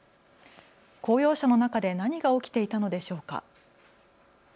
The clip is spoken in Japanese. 公用車の中で何が起きていたのでしょうか。